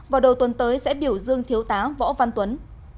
vào đầu tuần tới sẽ biểu dương thiếu tá võ văn tuấn